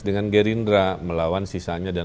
dengan gerindra melawan sisanya dan